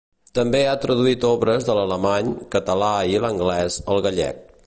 També ha traduït obres de l'alemany, català i l'anglès al gallec.